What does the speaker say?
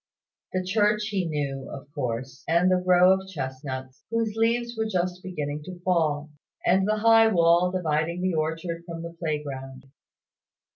The church he knew, of course, and the row of chestnuts, whose leaves were just beginning to fall; and the high wall dividing the orchard from the playground.